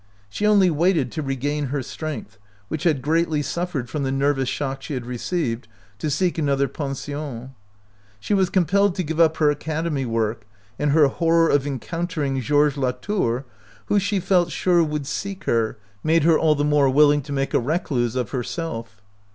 She only waited to re gain her strength, which had greatly suffered from the nervous shock she had received, to seek another pension. She was compelled to give up her academy work, and her hor ror of encountering Georges Latour, who she felt sure would seek her, made her all the more willing to make a recluse of her self.